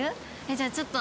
じゃあちょっと。